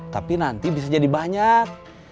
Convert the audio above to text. tapi nanti bisa jadi banyak